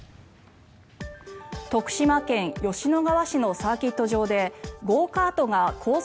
徳島県吉野川市のサーキット場でゴーカートがコース